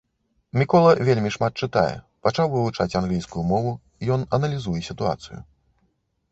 Мікола вельмі шмат чытае, пачаў вывучаць англійскую мову, ён аналізуе сітуацыю.